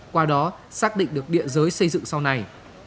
qua đó xác định được địa giới xây dựng sau này